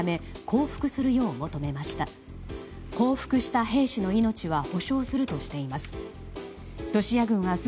降伏した兵士の命は保証するとしています。